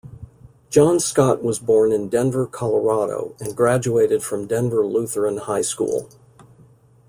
Jon Scott was born in Denver, Colorado, and graduated from Denver Lutheran High School.